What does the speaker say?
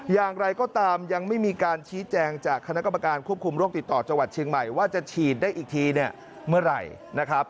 อย่างไรก็ตามยังไม่มีการชี้แจงจากคณะกรรมการควบคุมโรคติดต่อจังหวัดเชียงใหม่ว่าจะฉีดได้อีกทีเนี่ยเมื่อไหร่นะครับ